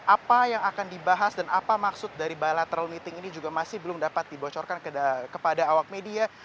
apa yang akan dibahas dan apa maksud dari bilateral meeting ini juga masih belum dapat dibocorkan kepada awak media